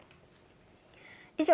以上、